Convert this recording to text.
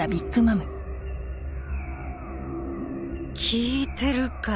聞いてるか？